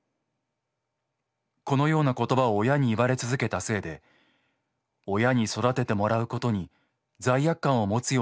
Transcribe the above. このような言葉を親に言われ続けたせいで親に育ててもらうことに罪悪感を持つようになりました。